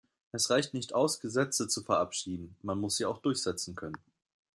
Es reicht nicht aus, Gesetze zu verabschieden, man muss sie auch durchsetzen können.